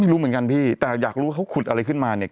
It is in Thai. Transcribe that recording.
รู้เหมือนกันพี่แต่อยากรู้ว่าเขาขุดอะไรขึ้นมาเนี่ย